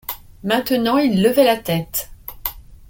Maintenant il levait la tête.